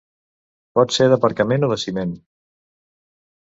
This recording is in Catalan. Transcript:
Pot ser d'aparcament o de ciment.